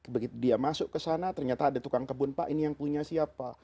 begitu dia masuk ke sana ternyata ada tukang kebun pak ini yang punya siapa